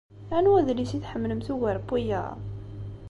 Anwa adlis i tḥemmlemt ugar n wiyaḍ?